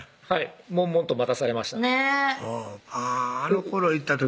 はいもんもんと待たされましたねっ